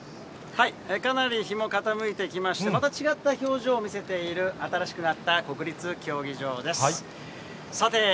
かなり日も傾いてきまして、また違った表情を見せている、新しくなった国立競技場です。